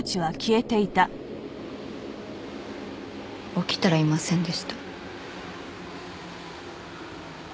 起きたらいませんでした。